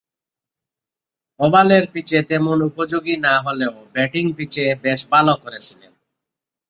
ওভালের পিচে তেমন উপযোগী না হলেও ব্যাটিং পিচে বেশ ভালো করেছিলেন।